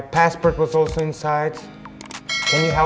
passport saya juga ada di dalamnya